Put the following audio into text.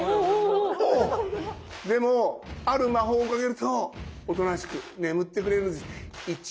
でもある魔法をかけるとおとなしく眠ってくれるんです。